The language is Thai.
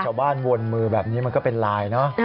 พอชาวบ้านวนมือแบบนี้มันก็เป็นลายนะ